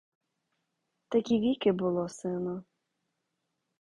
Так віки було, сину.